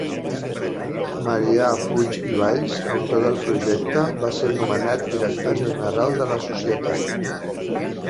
Marià Puig i Valls, autor del projecte va ser nomenat director general de la societat.